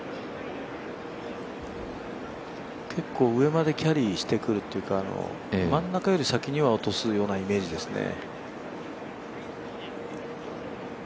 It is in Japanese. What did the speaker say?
結構上までキャリーしてくるというか、真ん中より先には落とすイメージですね。